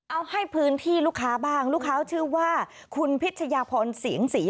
เอาให้พื้นที่ลูกค้าบ้างลูกค้าชื่อว่าคุณพิชยาพรเสียงศรี